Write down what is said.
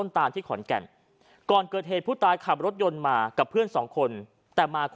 ในรถคันนึงเขาพุกอยู่ประมาณกี่โมงครับ๔๕นัท